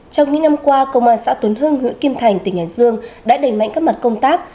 trong những năm qua công an xã tuấn hưng huyện kim thành tỉnh hải dương đã đẩy mạnh các mặt công tác